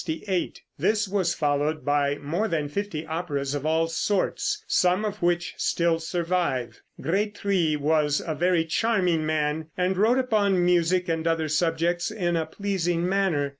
This was followed by more than fifty operas of all sorts, some of which still survive. Grétry was a very charming man, and wrote upon music and other subjects in a pleasing manner.